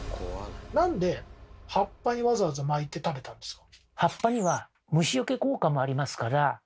なんで葉っぱにわざわざ巻いて食べたんですか？